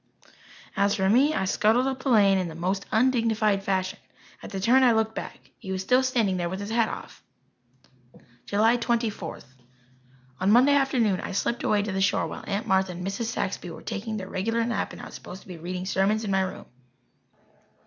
As for me, I scuttled up the lane in the most undignified fashion. At the turn I looked back. He was still standing there with his hat off. July Twenty fourth. On Monday afternoon I slipped away to the shore while Aunt Martha and Mrs. Saxby were taking their regular nap and I was supposed to be reading sermons in my room.